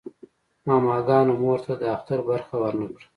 ماماګانو مور ته د اختر برخه ورنه کړه.